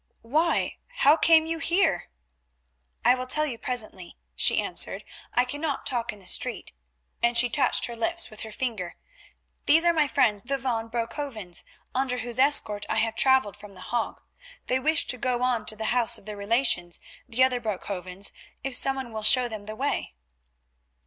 "Why, how came you here?" "I will tell you presently," she answered; "I cannot talk in the street," and she touched her lips with her finger. "These are my friends, the van Broekhovens, under whose escort I have travelled from The Hague. They wish to go on to the house of their relations, the other Broekhovens, if some one will show them the way."